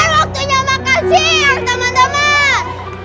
ini kan waktunya makan siang teman teman